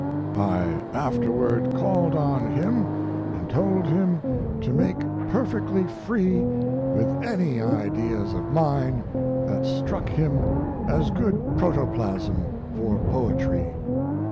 I afterward called on him and told him to make perfectly free with any ideas of mine that struck him as good protoplasm for poetry.